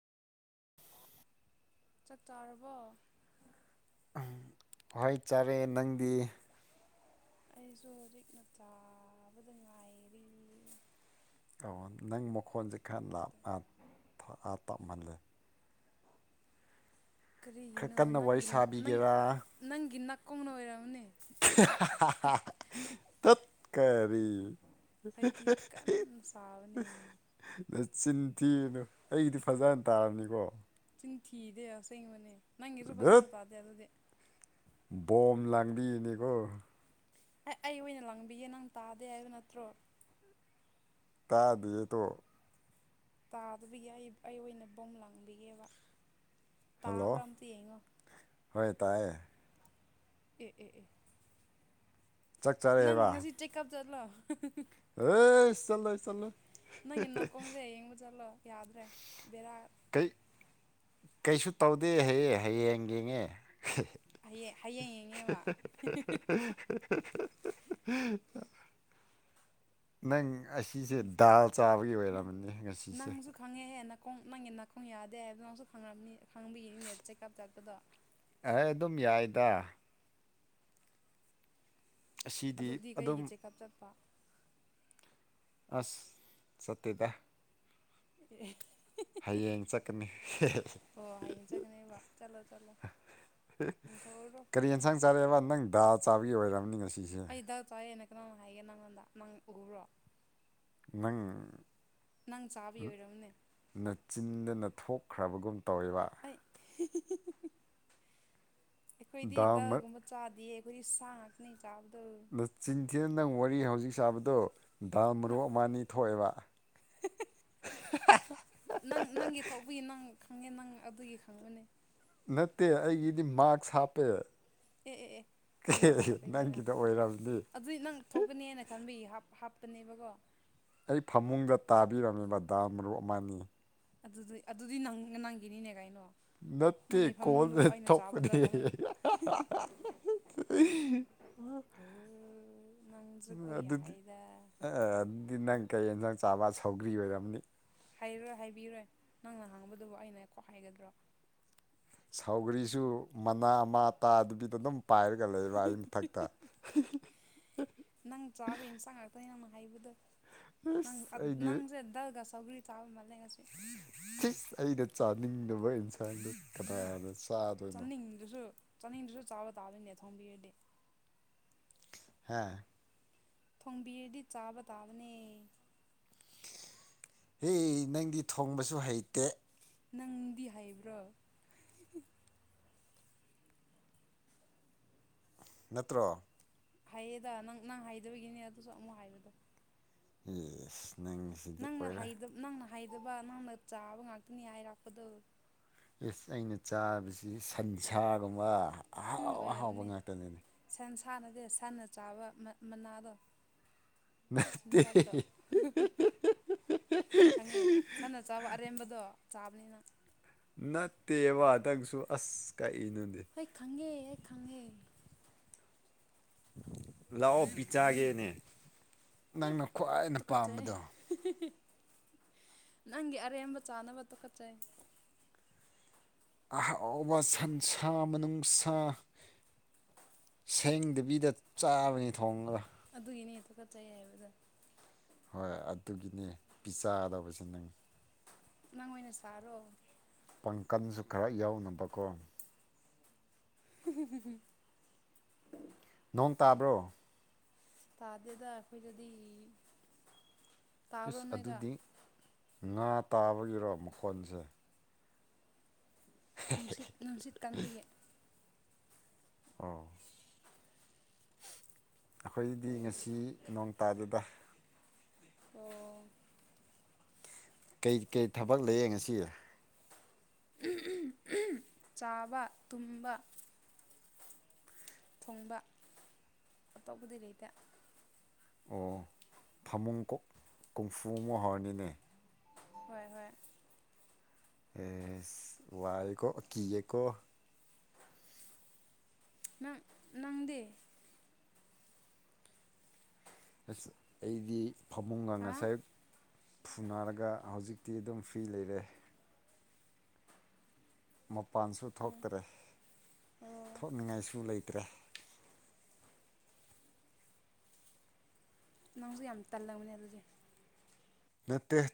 ꯆꯥꯛ ꯆꯥꯔꯕꯣ ꯍꯣꯏ ꯆꯥꯔꯦ ꯅꯪꯗꯤ ꯑꯩꯁꯨ ꯍꯧꯖꯤꯛꯇ ꯆꯥꯕꯗ ꯉꯥꯏꯔꯤ ꯑꯣ ꯅꯪ ꯃꯈꯣꯟꯁꯦ ꯈꯔꯞ ꯇꯥꯞꯍꯜꯂꯦ ꯈꯔ ꯀꯔꯤꯒꯤꯅꯣ ꯀꯟꯅ ꯋꯥꯔꯤ ꯅꯪꯒꯤ ꯅꯪ ꯁꯥꯕꯤꯒꯦꯔꯥ ꯅꯪꯒꯤ ꯅꯥꯀꯣꯡꯅ ꯑꯣꯏꯔꯝꯅꯦ ꯇꯠꯀꯔꯤꯔꯤ ꯑꯩꯗꯤ ꯀꯟꯅ ꯁꯥꯕꯅꯤ ꯅ ꯆꯤꯟꯊꯤꯅ ꯑꯩꯒꯤꯗꯤ ꯐꯖꯅ ꯇꯥꯔꯕꯝꯅꯤꯀꯣ ꯆꯤꯟꯊꯤꯗꯦ ꯑꯁꯦꯡꯕꯅꯦ ꯅꯪꯒꯤꯁꯨ ꯐꯖꯅ ꯇꯥꯗꯦ ꯑꯗꯨꯗꯤ ꯕꯣꯝꯕ ꯂꯥꯡꯕꯤꯌꯦꯅꯦꯀꯣ ꯑꯦ ꯑꯩ ꯑꯣꯏꯅ ꯂꯪꯕꯤꯒꯦ ꯅꯪ ꯇꯥꯗꯦ ꯍꯥꯏꯕ ꯅꯠꯇ꯭ꯔꯣ ꯇꯥꯗꯌꯦꯠꯇꯣ ꯇꯥꯗꯕꯤꯒꯤ ꯑꯩ ꯑꯩ ꯑꯣꯏꯅ ꯕꯣꯝ ꯂꯥꯡꯕꯤꯒꯦꯕ ꯍꯜꯂꯣ ꯇꯥꯕ꯭ꯔꯥ ꯑꯝꯇ ꯌꯦꯡꯉꯣ ꯍꯣꯏ ꯇꯥꯏꯌꯦ ꯑꯦ ꯑꯦ ꯑꯦ ꯆꯥꯛ ꯆꯥꯔꯦ ꯅꯪ ꯉꯁꯤ ꯆꯦꯛꯑꯞ ꯆꯠꯂꯣ ꯍ ꯆꯜ ꯆꯠꯂꯣꯏ ꯅꯪꯒꯤ ꯅꯥꯀꯣꯡꯁꯦ ꯌꯦꯡꯕ ꯆꯠꯂꯣ ꯌꯥꯗ꯭ꯔꯦ ꯕꯦꯔꯥ ꯀꯩ ꯀꯩꯁꯨ ꯇꯧꯗꯦ ꯍꯌꯦ ꯍꯌꯦꯡ ꯌꯦꯡꯉꯦ ꯍꯌꯦꯡ ꯍꯌꯦꯡ ꯌꯦꯡꯉꯦꯕ [unintelligible] ꯅꯪ ꯑꯁꯤꯁꯦ ꯗꯥꯜ ꯆꯥꯕꯒꯤ ꯅꯪ ꯑꯣꯏꯔꯝꯝꯕꯅꯦ ꯉꯁꯤꯁꯦ ꯅꯪꯁꯨ ꯈꯪꯉꯦꯍꯦ ꯅꯥꯀꯣꯡ ꯅꯪꯒꯤ ꯅꯥꯀꯣꯡ ꯌꯥꯗꯦ ꯍꯥꯏꯕꯗꯅꯪꯁꯨ ꯈꯪꯉꯅꯤ ꯈꯪꯕꯤꯒꯅꯤꯅꯦꯠ ꯆꯦꯛꯀꯞ ꯆꯠꯄꯗꯣ ꯑꯩ ꯑꯗꯨꯝ ꯌꯥꯏꯗ ꯑꯁꯤꯗꯤ ꯑꯗꯨꯗꯤ ꯀꯩꯒꯤ ꯑꯗꯨꯝ ꯆꯦꯛꯑꯞ ꯆꯠꯄ ꯑꯁ ꯁꯠꯗ ꯑꯦ ꯍꯌꯦꯡ ꯆꯠꯀꯅꯤ ꯍ ꯑ ꯆꯒꯅꯤ ꯋꯥ ꯆꯂꯣ ꯆꯂꯣ ꯀꯔꯤ ꯌꯦꯟꯁꯥꯡ ꯆꯥꯔꯛꯑꯦꯕ ꯅꯪ ꯗꯥ ꯆꯥꯕꯒꯤ ꯑꯣꯏꯔꯕꯅꯤ ꯉꯁꯤꯁꯦ ꯑꯩ ꯍꯤꯗꯥꯛ ꯆꯥꯔꯤꯦꯅ ꯀꯩꯅꯪ ꯍꯥꯏꯒꯦ ꯅꯪꯉꯣꯟꯗ ꯅꯪ ꯎꯈꯨꯔꯣ ꯅꯪ ꯅꯪ ꯆꯥꯕ ꯑꯣꯏꯔꯝꯅꯤ ꯅ ꯆꯤꯟꯗꯅ ꯊꯣꯛꯈ꯭ꯔꯕꯒꯨꯝ ꯇꯧꯔꯤꯕ ꯍꯍꯍꯍ ꯑꯩꯈꯣꯏꯗꯤ ꯗꯥꯜ ꯃ ꯗꯒꯨꯝꯕ ꯆꯥꯗꯤꯌꯦ ꯑꯩꯈꯣꯏꯗꯤ ꯁꯥ ꯉꯥꯛꯇꯅꯦ ꯆꯥꯕꯗꯣ ꯑꯗ ꯆꯤꯡꯊꯤꯅ ꯅꯪ ꯋꯥꯔꯤ ꯍꯧꯖꯤꯛ ꯆꯥꯕꯗꯣ ꯗꯥꯜ ꯃꯔꯨ ꯑꯃ ꯑꯅꯤ ꯊꯣꯛꯑꯦꯕ ꯍꯍ ꯍꯥꯍ ꯅꯪ ꯅꯪꯒꯤ ꯊꯣꯛꯄꯒꯤ ꯅꯪ ꯈꯪꯉꯦ ꯅꯪ ꯑꯗꯨꯒꯤ ꯈꯪꯕꯅꯦ ꯅꯠꯇꯦ ꯑꯩꯒꯤꯗꯤ ꯃꯥꯛꯁ ꯍꯥꯞꯄꯦ ꯑꯦ ꯑꯦ ꯑꯦ ꯑꯦ ꯅꯪꯒꯤꯗ ꯑꯣꯏꯔꯕꯗꯤ ꯑꯗꯨꯏ ꯅꯪ ꯊꯣꯛꯀꯅꯦꯅ ꯈꯟꯕꯒꯤ ꯍꯥꯞꯄꯅꯦꯕꯀꯣ ꯑꯩ ꯐꯃꯨꯡꯗ ꯇꯥꯕꯤꯔꯝꯃꯤꯕ ꯗꯥ ꯃꯔꯨꯞ ꯑꯃꯅꯤ ꯑꯗꯨꯗꯤ ꯑꯗꯨꯗꯤ ꯅꯪꯒꯤꯅꯤꯅꯦ ꯀꯥꯏꯩꯅꯣ ꯅꯠꯇꯦ ꯀꯣꯜ ꯊꯄꯅꯤ ꯀꯃꯥꯏꯅ ꯅꯪꯁꯨꯀꯣ ꯑꯗꯨꯗꯤ ꯌꯥꯏꯗ ꯑꯗꯨꯗꯤ ꯅꯪ ꯀꯩ ꯌꯦꯟꯁꯥꯡ ꯆꯥꯕ ꯁꯧꯒ꯭ꯔꯤ ꯑꯣꯏꯔꯝꯅꯤ ꯍꯥꯏꯔꯔꯣꯏ ꯍꯥꯏꯕꯤꯔꯣꯏ ꯅꯪꯅ ꯍꯥꯡꯕꯗꯨꯕꯨ ꯑꯩꯅ ꯀꯣꯛ ꯍꯥꯏꯒꯗ꯭ꯔꯣ ꯁꯧꯒꯔꯤꯁꯨ ꯃꯅꯥ ꯑꯃ ꯇꯥꯗꯕꯤꯗ ꯑꯗꯨꯝ ꯄꯥꯏꯔꯒ ꯂꯩꯕ ꯑꯩ ꯃꯊꯛꯇ ꯅꯪ ꯆꯥꯕ ꯏꯟꯁꯥꯡ ꯉꯥꯛꯇꯅꯤ ꯅꯪꯅ ꯍꯥꯏꯕꯗꯣ ꯅꯪ ꯏꯁ ꯑꯩꯗꯤ ꯅꯪꯁꯦ ꯗꯜꯒ ꯁꯧꯒ꯭ꯔꯤ ꯆꯥꯕ ꯃꯥꯜꯂꯦꯒꯁꯤꯦ ꯊꯤ ꯑꯩꯅ ꯆꯥꯅꯤꯡꯗꯕ ꯏꯟꯁꯥꯡꯗꯨ ꯀꯅꯥꯅ ꯆꯥꯗꯣꯏꯅꯣ ꯎꯝꯗꯨꯁꯨ ꯆꯥꯅꯤꯡꯗꯗꯨꯁꯨ ꯆꯥꯕ ꯇꯥꯗꯣꯏꯅꯦ ꯊꯣꯡꯝꯕꯤꯔꯗꯤ ꯍꯥꯥ ꯊꯣꯡꯕꯤꯔꯗꯤ ꯆꯥꯕ ꯇꯥꯕꯅꯦ ꯍꯦ ꯅꯪꯗꯤ ꯊꯣꯡꯕꯁꯨ ꯍꯩꯇꯦ ꯅꯪꯗꯤ ꯍꯩꯕ꯭ꯔꯣ ꯅꯠꯇ꯭ꯔꯣ ꯍꯥꯏꯌꯦꯗ ꯅꯪ ꯅꯪ ꯍꯥꯏꯗꯕꯒꯤꯅꯦ ꯑꯗꯨꯁꯨ ꯑꯃꯨꯛ ꯍꯥꯏꯕꯗꯣ ꯏꯁ ꯅꯪ ꯅꯪꯅ ꯍꯩꯗ ꯅꯪꯅ ꯍꯩꯗꯕ ꯅꯪꯅ ꯆꯥꯕ ꯉꯥꯛꯇꯅꯤ ꯍꯥꯏꯔꯥꯛꯄꯗꯣ ꯏꯁ ꯑꯩꯅ ꯆꯥꯕꯁꯤ ꯁꯟꯁꯥꯒꯨꯝꯕ ꯑꯍꯥꯎ ꯑꯍꯥꯎꯕ ꯉꯥꯛꯇꯅꯅꯦ ꯁꯟ ꯁꯥ ꯅꯗꯦ ꯁꯟꯅ ꯆꯥꯕ ꯃ ꯃꯅꯥꯗꯣ ꯅꯠꯇꯦ ꯆꯤꯟꯖꯥꯛꯇꯣ ꯈꯪꯉꯦ ꯁꯥꯟꯅ ꯆꯥꯕ ꯑꯔꯦꯝꯕꯗꯣ ꯆꯥꯕꯅꯦ ꯅꯪ ꯅꯠꯇꯦꯕ ꯅꯪꯁꯨ ꯑꯁ ꯀꯔꯤꯅ‌ꯣꯅ‌ꯦ ꯑꯩ ꯈꯪꯉꯦ ꯑꯩ ꯈꯪꯉꯦ ꯂꯥꯛꯑꯣ ꯄꯤ ꯆꯥꯒꯦꯅꯦ ꯑꯦ ꯅꯪꯅ ꯈ꯭ꯋꯥꯏꯅ ꯇꯨꯀꯠꯆꯩ ꯄꯥꯝꯕꯗꯣ [unintelligible] ꯅꯪꯒꯤ ꯑꯔꯦꯝꯕ ꯆꯥꯅꯕ ꯇꯨꯈꯠꯆꯩ ꯑꯍꯥꯎꯕ ꯁꯟꯁꯥ ꯃꯅꯨꯡꯁꯥ ꯁꯦꯡꯗꯕꯤꯗ ꯆꯥꯕꯅꯤ ꯊꯣꯡꯂꯒ ꯑꯗꯨꯒꯤꯅꯦ ꯇꯨ ꯀꯠꯆꯩ ꯍꯥꯏꯕꯗꯣ ꯍꯣꯏ ꯑꯗꯨꯒꯤꯅꯦ ꯄꯤꯖꯥꯗꯧꯕꯁꯦ ꯅꯪ ꯅꯪ ꯑꯣꯏꯅ ꯁꯥꯔꯣ ꯄꯥꯡꯀꯟꯁꯨ ꯈꯔ ꯌꯥꯎꯅꯕꯀꯣ [unintelligible] ꯅꯣꯡ ꯇꯥꯕ꯭ꯔꯣ ꯇꯥꯗ‌ꯦꯗ ꯑꯩꯈꯣꯏꯗꯗꯤ ꯇꯥꯕ꯭ꯔꯣ ꯏꯁ ꯅꯣꯏꯗ ꯑꯗꯨꯗꯤ ꯉꯥ ꯇꯥꯕꯒꯤꯔꯣ ꯃꯈꯣꯟꯁꯦ ꯅꯨꯡꯁꯤꯠ ꯅꯨꯡꯁꯤꯠ ꯀꯟꯕꯒꯤ ꯑ‌ꯣ ꯑꯩꯈꯣꯏꯗꯤ ꯉꯁꯤ ꯅꯣꯡ ꯇꯥꯗ‌ꯦꯗ ꯑꯣ ꯀꯩ ꯀꯩ ꯊꯕꯛ ꯂꯩꯌꯦ ꯉꯁꯤ [unintelligible] ꯆꯥꯕ ꯇꯨꯝꯕ ꯊꯣꯡꯕ ꯑꯇꯣꯞꯄꯗꯤ ꯂꯩꯇ‌ꯦ ꯑꯣ ꯐꯃꯨꯡ ꯀ‌ꯣꯛ ꯀꯨꯡꯐꯨ ꯑꯃꯨꯛ ꯍꯧꯔꯅꯤꯅꯦ ꯍꯣꯏ ꯍꯣꯏ ꯑꯦꯁ ꯋꯥꯏꯀꯣ ꯀꯤꯌꯦꯀꯣ ꯅꯪ ꯅꯪꯗꯤ ꯑꯁ ꯑꯩꯗꯤ ꯐꯃꯨꯡꯒ ꯍꯥ ꯉꯁꯥꯏ ꯐꯨꯅꯥꯔꯒ ꯍꯧꯖꯤꯛꯇꯤ ꯑꯗꯨꯝ ꯐ꯭ꯔꯤ ꯂꯩꯔꯦ ꯃꯄꯥꯟꯁꯨ ꯊꯣꯛꯇꯔꯦ ꯑꯣ ꯊꯣꯛꯅꯤꯡꯉꯥꯏꯁꯨ ꯂꯩꯇ꯭ꯔꯦ ꯅꯪꯖꯨ ꯌꯥꯝ ꯇꯜꯂꯝꯒꯅꯤ ꯑꯗꯨꯗꯤ ꯅꯠꯇꯦ